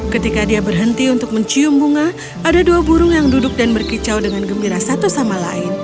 ketika dia berhenti untuk mencium bunga ada dua burung yang duduk dan berkicau dengan gembira satu sama lain